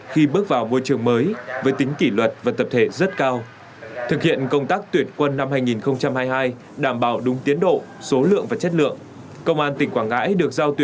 khi bước vào môi trường quân ngũ